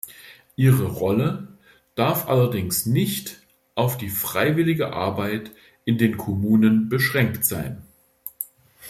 Ihre Rolle darf allerdings nicht auf freiwillige Arbeit in den Kommunen beschränkt sein.